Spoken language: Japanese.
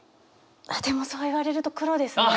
あっでもそう言われると黒ですね。